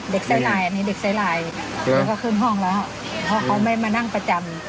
ใส่ลายอันนี้เด็กใส่ลายแล้วก็ขึ้นห้องแล้วเพราะเขาไม่มานั่งประจำ